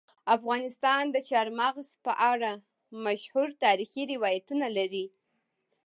افغانستان د چار مغز په اړه مشهور تاریخی روایتونه لري.